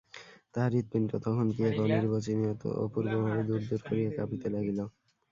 তাহার হৃৎপিণ্ড তখন কি এক অনির্বচনীয় অপূর্বভাবে দুরদুর করিয়া কাঁপিতে লাগিল।